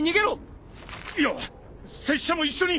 いや拙者も一緒に！